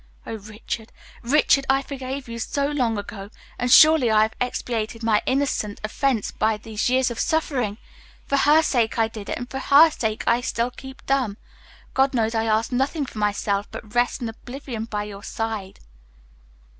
"Oh, Richard, Richard! I forgave you long ago, and surely I have expiated my innocent offense by these years of suffering! For her sake I did it, and for her sake I still keep dumb. God knows I ask nothing for myself but rest and oblivion by your side."